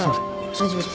大丈夫です。